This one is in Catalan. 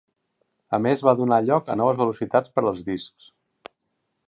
A més va donar a lloc a noves velocitats per als discs.